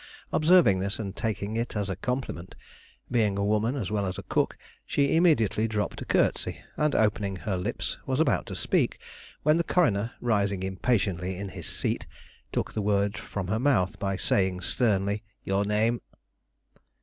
Observing this and taking it as a compliment, being a woman as well as a cook, she immediately dropped a curtsey, and opening her lips was about to speak, when the coroner, rising impatiently in his seat, took the word from her mouth by saying sternly: "Your name?"